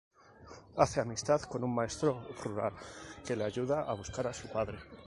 Hace amistad con un maestro rural que le ayuda a buscar a su padre.